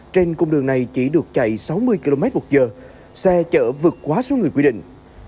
trên cùng đường này chỉ được chạy sáu mươi kmh xe chở vượt quá số người quy định